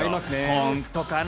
本当かな？